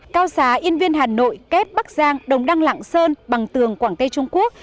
cao xá yên viên hà nội kép bắc giang đồng đăng lạng sơn bằng tường quảng tây trung quốc